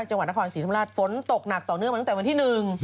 จังหวัดนครศรีธรรมราชฝนตกหนักต่อเนื่องมาตั้งแต่วันที่หนึ่ง